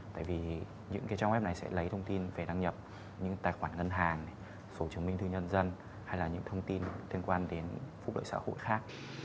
tại vì những cái trang web này sẽ lấy thông tin về đăng nhập những tài khoản ngân hàng số chứng minh thư nhân dân hay là những thông tin liên quan đến phúc lợi xã hội khác